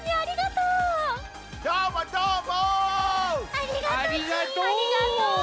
ありがとう！